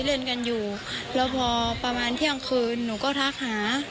แล้วพอประมาณเที่ยงคืนหนูก็ทักหา